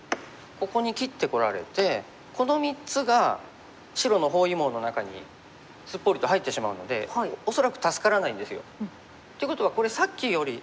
ここに切ってこられてこの３つが白の包囲網の中にすっぽりと入ってしまうので恐らく助からないんですよ。っていうことはこれさっきより。